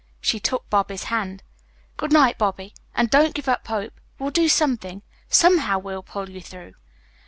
She took Bobby's hand. "Good night, Bobby, and don't give up hope. We'll do something. Somehow we'll pull you through."